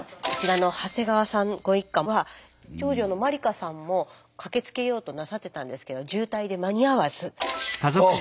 こちらの長谷川さんご一家は長女の真理華さんも駆けつけようとなさってたんですけど渋滞で間に合わず。